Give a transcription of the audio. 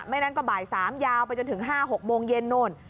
ไม่งั้นก็บ่าย๓ยาวไปจนถึง๕๖โมงเย็นโน่น